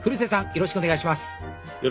よろしくお願いします。